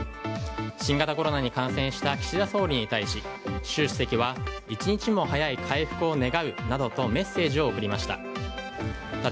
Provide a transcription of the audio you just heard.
新型コロナに感染した岸田総理に対し習主席は一日も早い回復を願うなどとメッセージを送りました。